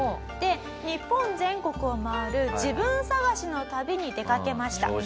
で日本全国を回る自分探しの旅に出かけました。